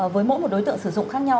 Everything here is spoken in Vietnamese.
với mỗi một đối tượng sử dụng khác nhau